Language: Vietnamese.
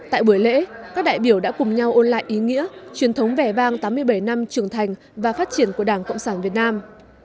tại buổi lễ các đại biểu đã cùng nhau ôn lại ý nghĩa truyền thống vẻ vang tám mươi bảy năm trưởng thành và phát triển của đảng cộng sản việt nam